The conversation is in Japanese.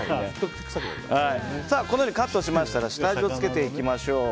このようにカットしましたら下味をつけていきましょう。